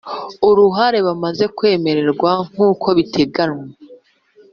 uruhare bamaze kwemererwa nkuko biteganywa